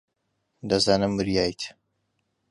دەزانم وریایت.